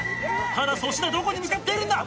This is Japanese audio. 粗品どこに向かっているんだ！